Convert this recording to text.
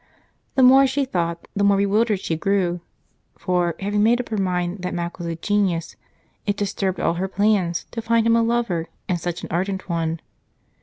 The more she thought, the more bewildered she grew, for having made up her mind that Mac was a genius, it disturbed all her plans to find him a lover, and such an ardent one.